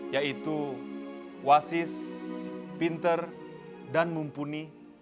yaitu wasis pinter dan mumpuni